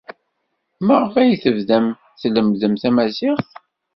Maɣef ay tebdam tlemmdem tamaziɣt?